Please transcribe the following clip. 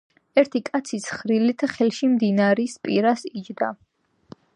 ერთი კაცი ცხრილით ხელში მდინარისა პირას იჯდა